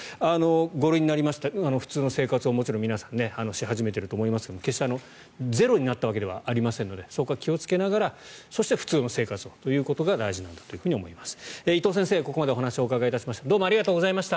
５類になりました普通の生活を皆さん、もちろんし始めていると思いますが決してゼロになったわけではありませんのでそこは気をつけながらそして普通の生活をということが大事なんだと思います。